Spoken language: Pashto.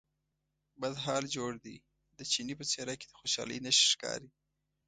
بد حال جوړ دی، د چیني په څېره کې د خوشالۍ نښې ښکارې.